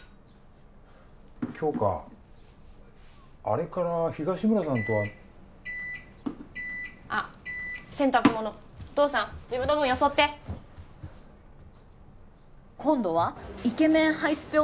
あれから東村さんとはあ洗濯物お父さん自分の分よそって今度はイケメンハイスペ